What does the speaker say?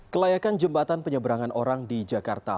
kelayakan jembatan penyeberangan orang di jakarta